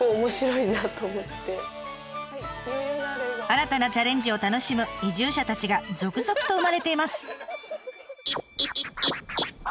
新たなチャレンジを楽しむ移住者たちが続々と生まれています！